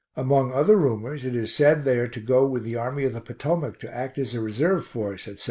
Among other rumors it is said they [are] to go [with] the Army of the Potomac to act as a reserve force, etc.